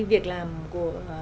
việc làm của